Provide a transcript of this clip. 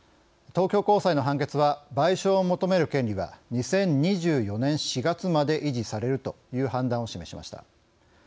東京高裁の判決は賠償を求める権利は２０２４年４月まで維持されるという判断を示しました。